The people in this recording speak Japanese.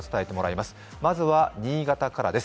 まずは新潟からです。